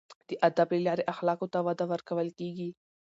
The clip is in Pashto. د ادب له لارې اخلاقو ته وده ورکول کیږي.